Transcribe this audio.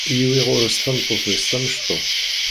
Yiwi ɣer-s tameṭṭut-is tamecṭuḥt.